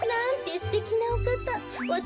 すてきなおかた。